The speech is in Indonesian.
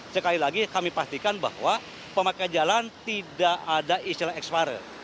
sekali lagi kami pastikan bahwa pemakai jalan tidak ada istilah expare